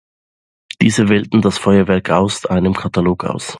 Diese wählten das Feuerwerk aus einem Katalog aus.